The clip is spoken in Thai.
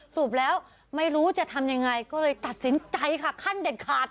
สรุปแล้วไม่รู้จะทำยังไงก็เลยตัดสินใจค่ะขั้นเด็ดขาด